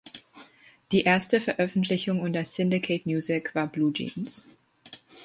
Die erste Veröffentlichung unter Syndicate Music war "Blue Jeans".